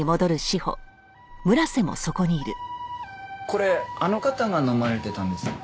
これあの方が飲まれてたんですか？